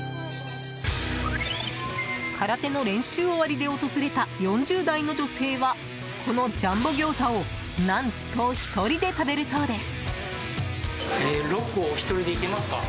空手の練習終わりで訪れた４０代の女性はこのジャンボギョーザを何と１人で食べるそうです。